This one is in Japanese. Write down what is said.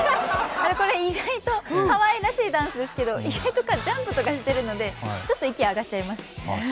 これ、かわいらしいダンスですけど、ジャンプとかしてるのでちょっと息が上がっちゃいます。